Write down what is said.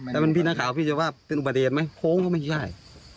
ถ้าเป็นพี่นักข่าวพี่จะว่าเป็นอุบัติเหตุไหมโค้งก็ไม่ใช่